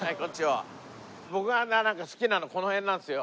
僕が好きなのこの辺なんですよ。